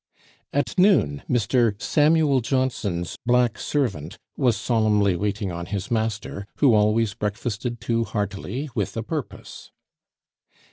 At noon Mr. Samuel Johnson's black servant was solemnly waiting on his master, who always breakfasted too heartily, with a purpose.